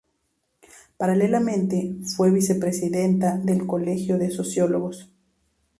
Paralelamente, fue vicepresidenta del Colegio de Sociólogos.